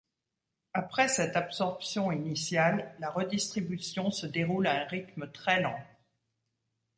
Après cette absorption initiale, la redistribution se déroule à un rythme très lent.